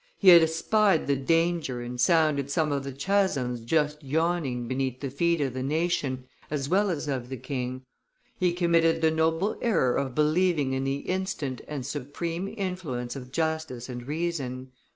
He had espied the danger and sounded some of the chasms just yawning beneath the feet of the nation as well as of the king; he committed the noble error of believing in the instant and supreme influence of justice and reason.